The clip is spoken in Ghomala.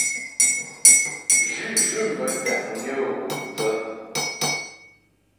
Zhʉ́zhʉ̂m bə́ ntǎknyə gho thə.